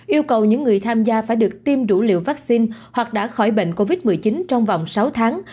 yêu cầu những người tham gia phải được tiêm đủ liều vaccine hoặc đã khỏi bệnh covid một mươi chín trong vòng sáu tháng